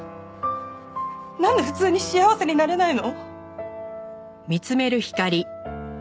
なんで普通に幸せになれないの？